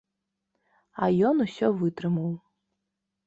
А ён усё вытрымаў.